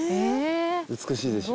美しいでしょ。